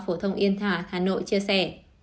phổ thông yên thả hà nội chia sẻ